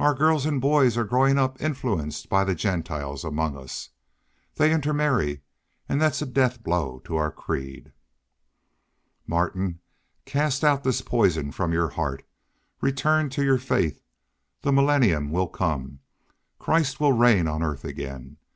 Our girls and boys are growing up influenced by the Gentiles among us. They intermarry, and that's a death blow to our creed." "Martin, cast out this poison from your heart. Return to your faith. The millennium will come. Christ will reign on earth again.